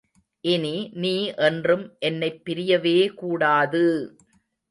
இனி நீ என்றும் என்னைப் பிரியவேகூடாது!